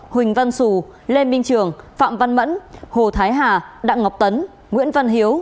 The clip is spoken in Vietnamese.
huỳnh văn sù lê minh trường phạm văn mẫn hồ thái hà đặng ngọc tấn nguyễn văn hiếu